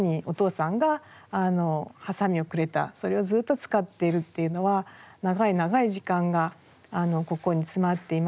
それをずっと使っているっていうのは長い長い時間がここに詰まっていますね。